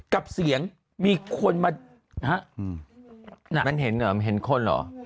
กับเสียงมีคนมาฮะมันเห็นเหรอมันเห็นคนเหรอ